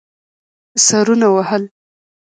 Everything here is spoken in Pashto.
سرونه وهل.